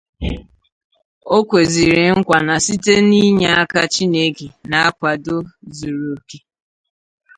O kwezịrị nkwa na site n'inye aka Chineke na nkwàdo zuru oke